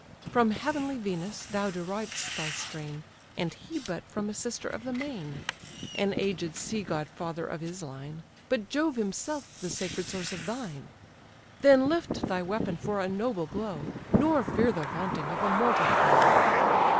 From heavenly Venus thou deriv'st thy strain, And he but from a sister of the main; An aged sea god father of his line; But Jove himself the sacred source of thine. Then lift thy weapon for a noble blow, Nor fear the vaunting of a mortal foe."